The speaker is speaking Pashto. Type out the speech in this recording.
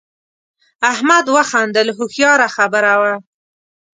احمد وخندل هوښیاره خبره وه.